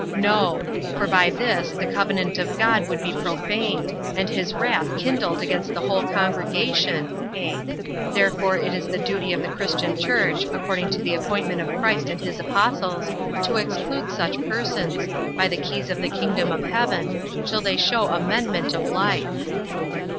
No; for by this, the covenant of God would be profaned, and his wrath kindled against the whole congregation; (a) therefore it is the duty of the christian church, according to the appointment of Christ and his apostles, to exclude such persons, by the keys of the kingdom of heaven, till they show amendment of life.